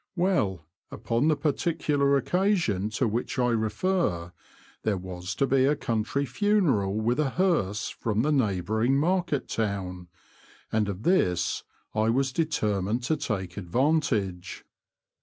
Well, upon the particular occasion to which I refer there was to be a country funeral with a hearse from the neigh bouring market town, and of this I was determined to take advantage.